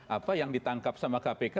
apa yang ditangkap sama kpk